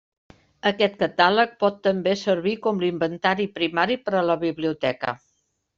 Aquest catàleg pot també servir com l'inventari primari per a la biblioteca.